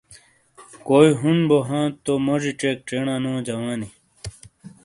کوئی ہون بو تو موجی چیک چینا نو جوانی